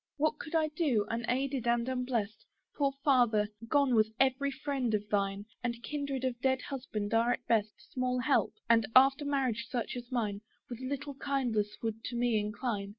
What could I do, unaided and unblest? Poor Father! gone was every friend of thine: And kindred of dead husband are at best Small help, and, after marriage such as mine, With little kindness would to me incline.